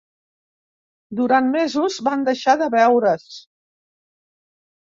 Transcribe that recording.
Durant mesos van deixar de veure's.